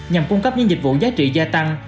nhằm cung cấp những dịch vụ giá trị gia tăng